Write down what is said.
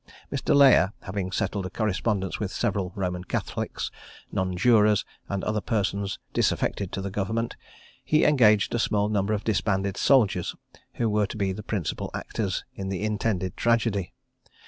Mr. Layer having settled a correspondence with several Roman Catholics, non jurors, and other persons disaffected to the government, he engaged a small number of disbanded soldiers, who were to be the principal actors in the intended tragedy.